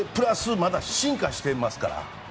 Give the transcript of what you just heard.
まだ進化してますから。